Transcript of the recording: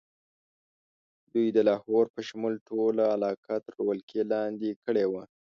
دوی د لاهور په شمول ټوله علاقه تر ولکې لاندې کړې وه.